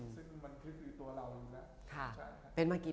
ตอนนั้นเป็นยังไงบ้างครับ